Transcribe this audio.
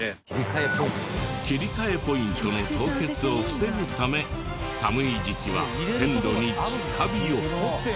切り替えポイントの凍結を防ぐため寒い時期は線路に直火を。